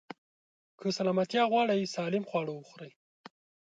که سلامتيا غواړئ، سالم خواړه وخورئ.